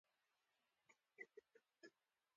ناتوکمیزې ملتپالنې په فقدان کې.